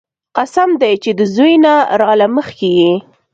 قسم دې چې د زوى نه راله مخكې يې.